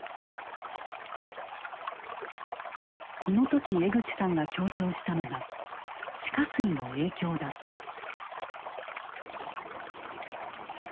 この時江口さんが強調したのが地下水の影響だった。